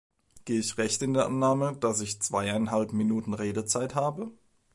Gehe ich recht in der Annahme, dass ich zweieinhalb Minuten Redezeit habe?